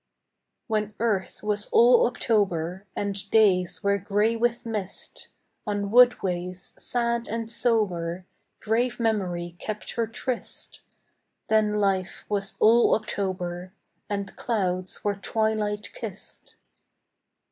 III When earth was all October, And days were gray with mist, On woodways, sad and sober, Grave memory kept her tryst; Then life was all October, And clouds were twilight kissed.